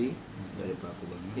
dari pelaku bagi